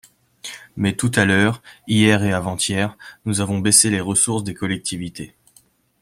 Mais tout à l’heure, hier et avant-hier, nous avons baissé les ressources des collectivités.